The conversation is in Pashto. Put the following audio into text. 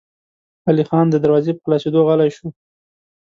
علی خان د دروازې په خلاصېدو غلی شو.